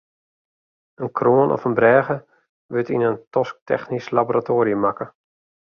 In kroan of in brêge wurdt yn in tosktechnysk laboratoarium makke.